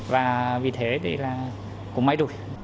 và vì thế thì là cũng mãi đủ